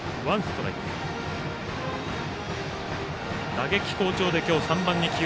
打撃好調で今日３番で起用